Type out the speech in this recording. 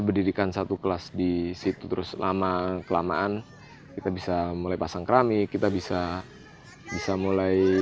pendidikan satu kelas di situ terus lama kelamaan kita bisa mulai pasang keramik kita bisa bisa mulai